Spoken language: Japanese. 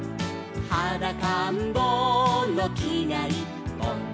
「はだかんぼうのきがいっぽん」